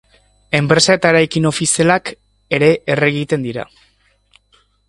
Enpresak eta eraikin ofizialak ere erre egiten dira.